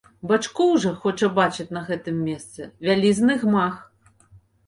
Бачкоў жа хоча бачыць на гэтым месцы вялізны гмах.